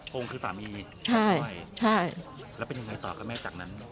โพงคือสามีแม่โทรไหว้แล้วเป็นยังไงต่อกับแม่จากนั้น